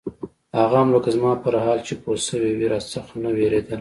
هغه هم لکه زما پر حال چې پوهه سوې وي راڅخه نه وېرېدله.